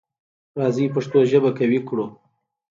راځی پښتو ژبه قوي کړو.